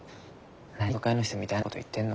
何都会の人みたいなごど言ってんの。